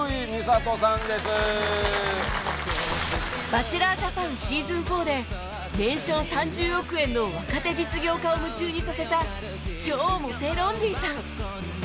『バチェラー・ジャパン』シーズン４で年商３０億円の若手実業家を夢中にさせた超モテロンリーさん